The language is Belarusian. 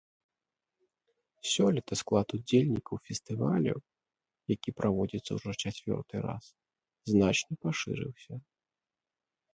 Сёлета склад удзельнікаў фестывалю, які праводзіцца ўжо чацвёрты раз, значна пашырыўся.